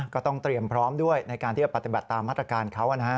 ก็ต้องเตรียมพร้อมด้วยในการที่จะปฏิบัติตามมาตรการเขา